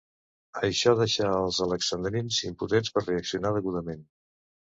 Això deixà els alexandrins impotents per reaccionar degudament.